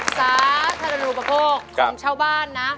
สาธารุปกฏของช่าวบ้านนะ